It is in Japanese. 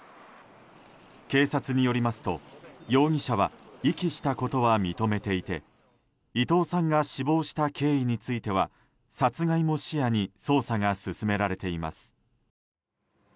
警察によりますと、容疑者は遺棄したことは認めていて伊藤さんが死亡した経緯については殺害も視野に捜査が進められています。